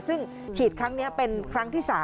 ซึ่งฉีดครั้งนี้เป็นครั้งที่๓